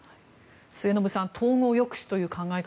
末延さん、統合抑止という考え方